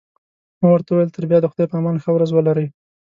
ما ورته وویل: تر بیا د خدای په امان، ښه ورځ ولرئ.